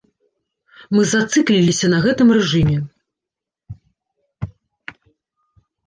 Мы зацыкліліся на гэтым рэжыме!